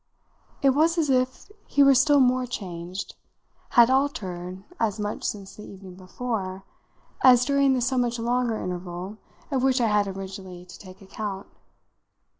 It was as if he were still more changed had altered as much since the evening before as during the so much longer interval of which I had originally to take account.